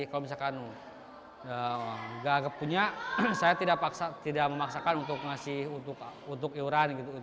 kalau misalkan nggak punya saya tidak memaksakan untuk ngasih untuk iuran gitu